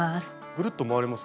ぐるっと回れます？